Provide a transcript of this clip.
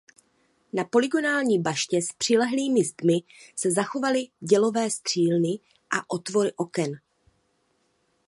Na polygonální baště s přilehlými zdmi se zachovaly dělové střílny a otvory oken.